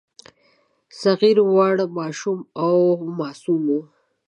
صغیر وړ، ماشوم او معصوم وو.